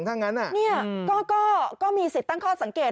ดังนั้นก็มีสิทธิ์ตั้งข้อสังเกต